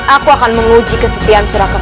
aku akan menguji kesetiaan terhadap